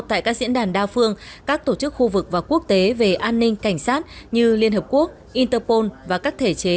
tại các diễn đàn đa phương các tổ chức khu vực và quốc tế về an ninh cảnh sát như liên hợp quốc interpol và các thể chế